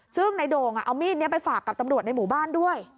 ซึ่งในโด่งเอามีดนี้ไปฝากกับตำรวจในหมู่บ้านด้วย